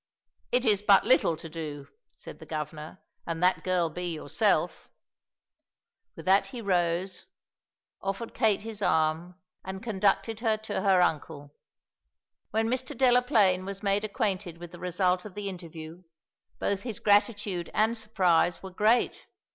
"It is but little to do," said the Governor, "and that girl be yourself." With that he rose, offered Kate his arm, and conducted her to her uncle. When Mr. Delaplaine was made acquainted with the result of the interview, both his gratitude and surprise were great.